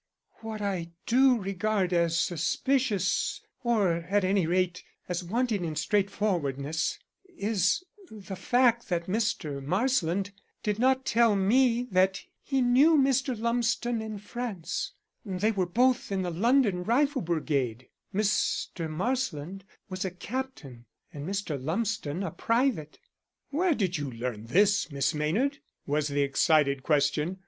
"What I do regard as suspicious or, at any rate, as wanting in straightforwardness is the fact that Mr. Marsland did not tell me that he knew Mr. Lumsden in France. They were both in the London Rifle Brigade Mr. Marsland was a captain and Mr. Lumsden a private." "Where did you learn this, Miss Maynard?" was the excited question.